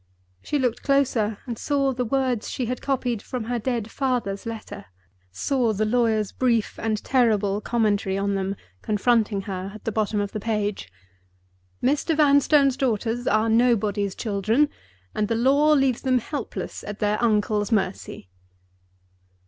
She looked closer, and saw the words she had copied from her dead father's letter—saw the lawyer's brief and terrible commentary on them confronting her at the bottom of the page: _Mr. Vanstone's daughters are Nobody's Children, and the law leaves them helpless at their uncle's mercy.